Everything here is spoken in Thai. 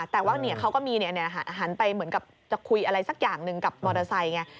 แต่ว่าเขาก็มีหันไปเหมือนกับจะคุยอะไรสักอย่างหนึ่งกับมอเตอร์ไซค์ไง